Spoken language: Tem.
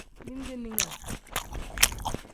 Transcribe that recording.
Bindeninga.